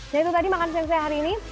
nah itu tadi makan yang saya hari ini